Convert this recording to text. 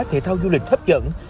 thể thao du lịch hấp dẫn